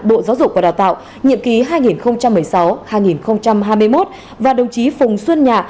bộ giáo dục và đào tạo nhiệm ký hai nghìn một mươi sáu hai nghìn hai mươi một và đồng chí phùng xuân nhạ